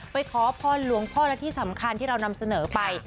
ขอพรหลวงพ่อและที่สำคัญที่เรานำเสนอไป